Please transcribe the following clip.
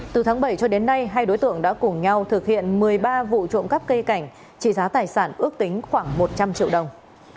từ tháng bảy cho đến nay hai đối tượng đã cùng nhau thực hiện một mươi ba vụ trộm cắp cây cảnh trị giá tài sản ước tính khoảng một trăm linh triệu đồng